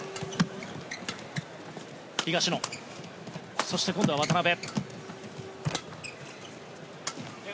東野、そして今度は渡辺。